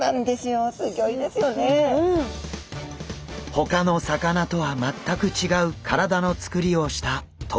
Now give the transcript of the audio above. ほかの魚とは全く違う体のつくりをしたトビハゼ。